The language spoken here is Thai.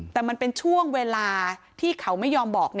แต่มันเป็นช่วงเวลาที่เขาไม่ยอมบอก